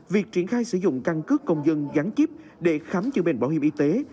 việc triển khai sử dụng căng cước công dân gắn chiếp để khám chữa bệnh bảo hiểm y tế